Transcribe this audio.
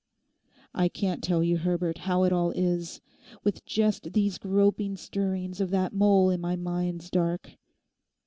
I can't tell you Herbert, how it all is, with just these groping stirrings of that mole in my mind's dark.